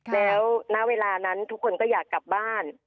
แล้วณเวลานั้นทุกคนก็อยากกลับบ้าน